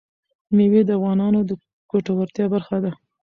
مېوې د افغانانو د ګټورتیا برخه ده.